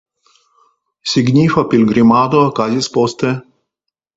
Signifa pilgrimado okazis poste.